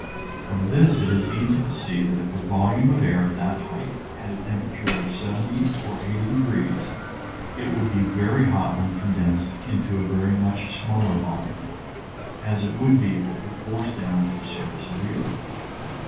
From this it is easy to see that if a volume of air at that height had a temperature of 70 or 80 degrees it would be very hot when condensed into a very much smaller volume, as it would be if it were forced down to the surface of the earth.